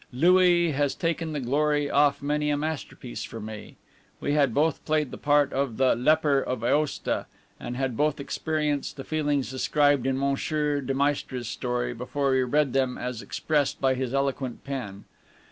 Louis has taken the glory off many a masterpiece for me. We had both played the part of the "Leper of Aosta," and had both experienced the feelings described in Monsieur de Maistre's story, before we read them as expressed by his eloquent pen.